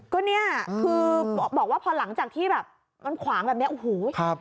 ก็เนี่ยคือบอกว่าพอหลังจากที่แบบมันขวางแบบนี้โอ้โห